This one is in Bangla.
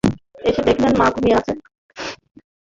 এসে দেখলেন মা ঘুমিয়ে আছেন।